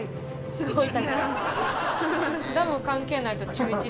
すごーい！